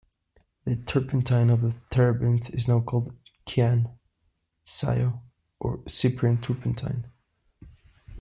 The turpentine of the terebinth is now called Chian, Scio, or Cyprian turpentine.